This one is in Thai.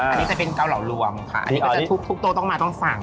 อันนี้จะเป็นเกาเหล่ารวมค่ะอันนี้ก็จะทุกโต๊ะต้องมาต้องสั่ง